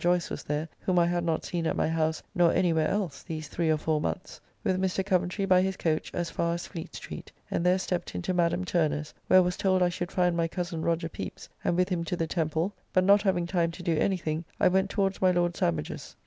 Joyce was there, whom I had not seen at my house nor any where else these three or four months) with Mr. Coventry by his coach as far as Fleet Street, and there stepped into Madam Turner's, where was told I should find my cozen Roger Pepys, and with him to the Temple, but not having time to do anything I went towards my Lord Sandwich's.